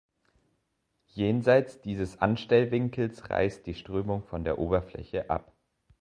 Jenseits dieses Anstellwinkels reißt die Strömung von der Oberfläche ab.